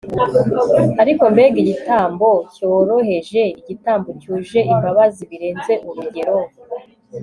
ariko mbega igitambo cyoroheje, igitambo cyuje imbabazi birenze urugero